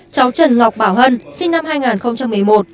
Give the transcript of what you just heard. cháu trần ngọc bảo hân sinh năm hai nghìn một mươi một